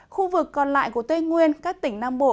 khu vực còn lại của tây nguyên các tỉnh nam bộ